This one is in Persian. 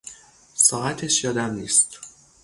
ساعتش یادم نیست